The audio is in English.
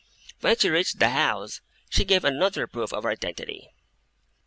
When she reached the house, she gave another proof of her identity.